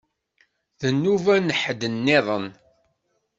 D nnuba n ḥedd-nniḍen.